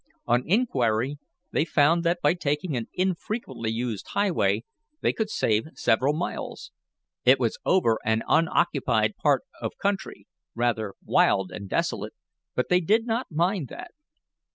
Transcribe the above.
On inquiry they found that by taking an infrequently used highway, they could save several miles. It was over an unoccupied part of country, rather wild and desolate, but they did not mind that.